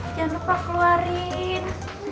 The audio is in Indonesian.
jangan lupa keluarin